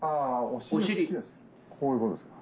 こういうことですか？